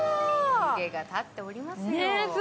湯気が立っておりますよ。